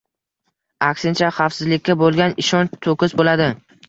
Aksincha, xavfsizlikka bo‘lgan ishonch to‘kis bo‘ladi